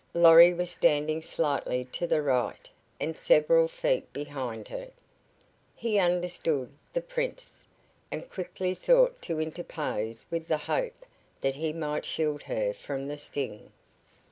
Lorry was standing slightly to the right and several feet behind her. He understood the Prince, and quickly sought to interpose with the hope that he might shield her from the sting.